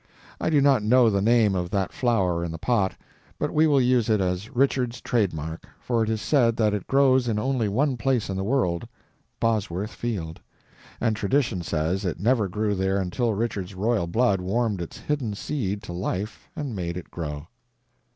I do not know the name of that flower in the pot, but we will use it as Richard's trade mark, for it is said that it grows in only one place in the world—Bosworth Field—and tradition says it never grew there until Richard's royal blood warmed its hidden seed to life and made it grow.